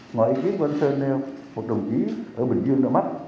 ngoài ý kiến của anh sơn nêu một đồng chí ở bình dương đã mắt